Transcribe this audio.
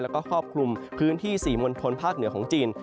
แล้วก็ครอบคลุมพื้นที่๔มณฑลภาคเหนือของจีน